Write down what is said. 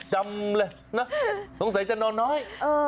จำเลยนะสงสัยจะนอนน้อย